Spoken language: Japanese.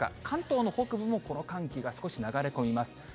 関東の北部もこの寒気が少し流れ込みます。